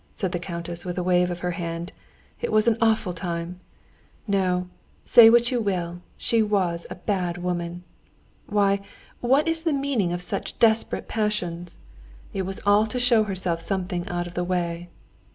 said the countess with a wave of her hand. "It was an awful time! No, say what you will, she was a bad woman. Why, what is the meaning of such desperate passions? It was all to show herself something out of the way.